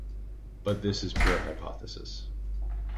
But this is pure hypothesis.